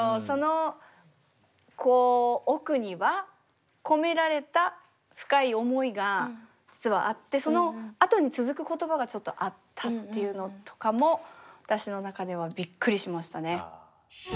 そのこう奥には込められた深い思いが実はあってそのあとに続く言葉がちょっとあったっていうのとかも私の中ではびっくりしましたね。